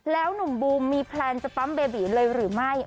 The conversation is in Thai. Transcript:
แล้วหนุ่มบูมมีแพลนจะปั๊มเบบีเลยหรือไม่